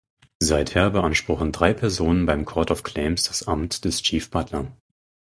Seither beanspruchen drei Personen beim Court of Claims das Amt des Chief Butler.